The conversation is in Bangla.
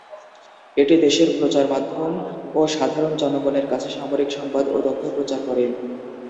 এটি দেশের প্রচার মাধ্যম ও সাধারণ জনগণের কাছে সামরিক সংবাদ ও তথ্য প্রচার করে।